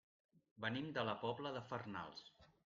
Venim de la Pobla de Farnals.